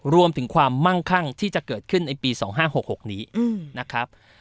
รวมถึงความมั่งคั่งที่จะเกิดขึ้นในปีสองห้าหกหกนี้อืมนะครับ